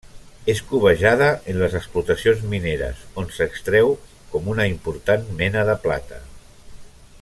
És cobejada en les explotacions mineres, on s'extreu com una important mena de plata.